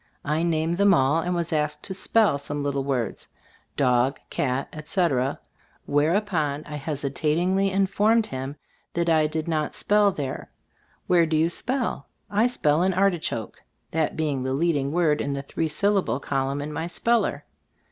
I named them all, and was asked to spell some little words, "dog," "cat," etc., whereupon I hesitatingly informed him that I did "not spell there." "Where do you spell?" "I spell in 'Artichoke/" that being the leading word in the three syllable col umn in my speller.